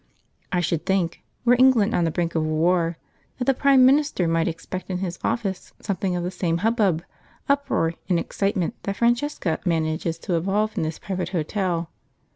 I should think, were England on the brink of a war, that the Prime Minister might expect in his office something of the same hubbub, uproar, and excitement that Francesca manages to evolve in this private hotel.